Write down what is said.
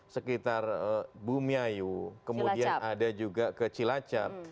sekitar bumiayu kemudian ada juga ke cilacap